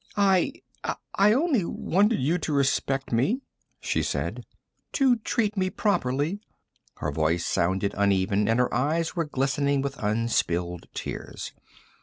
"I ... I only wanted you to respect me," she said. "To treat me properly." Her voice sounded uneven, and her eyes were glistening with unspilled tears.